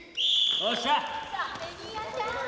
よっしゃ！